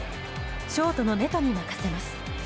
ショートのネトに任せます。